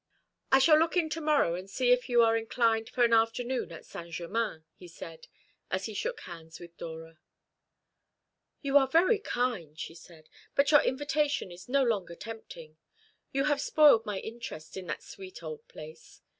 "I shall look in to morrow, and see if you are inclined for an afternoon at Saint Germain," he said, as he shook hands with Dora. "You are very kind," she said, "but your invitation is no longer tempting. You have spoiled my interest in that sweet old place.